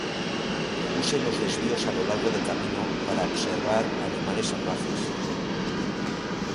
Use los desvíos a lo largo del camino para observar animales salvajes.